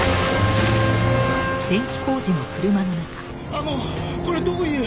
あのこれどういう。